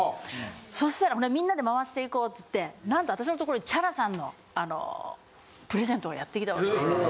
そしたらみんなで回していこうつってなんと私のところにＣＨＡＲＡさんのプレゼントがやってきた訳ですよ。